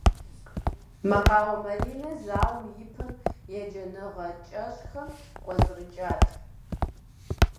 Мэкъуауэ Маринэ зауэм ипэм еджэныгъэ кӏэщӏхэм кӏуэцӏрыкӏат.